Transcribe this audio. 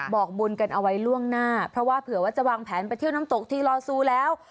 บอกบุญกันเอาไว้ล่วงหน้าเพราะว่าเผื่อว่าจะวางแผนไปเที่ยวน้ำตกทีลอซูแล้ว